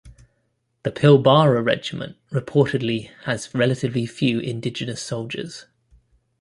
The Pilbara Regiment reportedly has relatively few Indigenous soldiers.